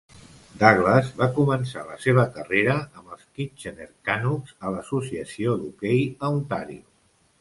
Douglas va començar la seva carrera amb els Kitchener Canucks a l'associació d'hoquei a Ontario.